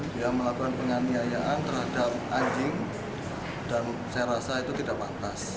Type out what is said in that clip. dia melakukan penganiayaan terhadap anjing dan saya rasa itu tidak pantas